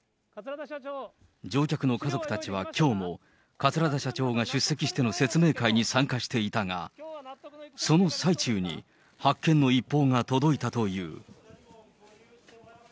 乗客の家族たちはきょうも、桂田社長が出席しての説明会に参加していたが、その最中に、発見の一報が届いたという。